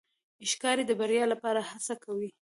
ښکاري د بریا لپاره هڅه کوي.